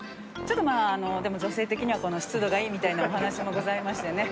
でも女性的にはこの湿度がいいみたいなお話もございましてね。